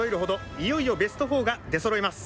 いよいよベストフォーが出そろいます。